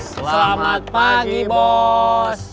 selamat pagi bos